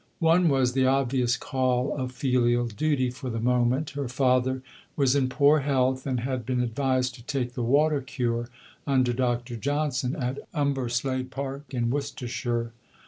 One was the obvious call of filial duty for the moment. Her father was in poor health, and had been advised to take the water cure under Dr. Johnson at Umberslade Park, in Worcestershire.